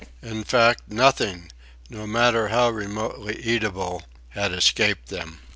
In fact, nothing, no matter how remotely eatable, had escaped them.